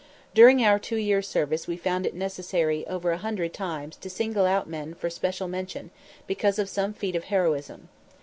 During our two years' service we found it necessary over a hundred times to single out men for special mention because of some feat of heroism.